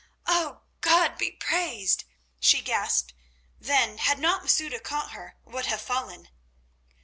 Oh, God be praised!" she gasped, then, had not Masouda caught her, would have fallen.